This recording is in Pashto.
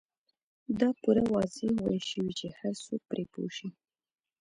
دا پوره واضح ويل شوي چې هر څوک پرې پوه شي.